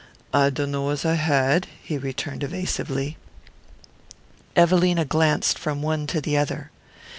"I dunno as I had," he returned evasively. Evelina glanced from one to the other.